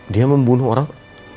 dia membunuh orang